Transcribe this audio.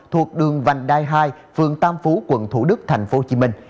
thuộc đường vành đai hai phường tam phú quận thủ đức tp hcm